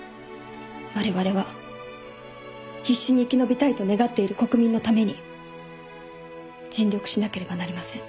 われわれは必死に生き延びたいと願っている国民のために尽力しなければなりません。